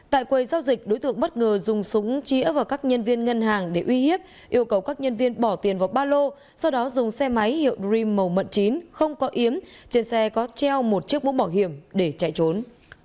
tại quầy giao dịch đối tượng bất ngờ dùng súng chĩa vào các nhân viên ngân hàng để uy hiếp yêu cầu các nhân viên bỏ tiền vào ba lô sau đó dùng xe máy hiệu dream màu mận chín không có yếm trên xe có treo một chiếc mũ bảo hiểm để chạy trốn